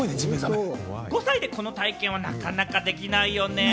５歳でこの体験はなかなかできないよね。